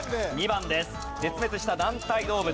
絶滅した軟体動物。